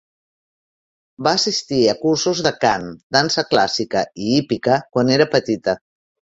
Va assistir a cursos de cant, dansa clàssica i hípica quan era petita.